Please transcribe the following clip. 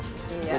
ya tidak salah